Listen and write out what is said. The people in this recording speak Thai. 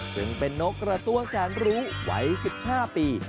ซึ่งเป็นนกกระตั้วแสนรู้วัย๑๕ปี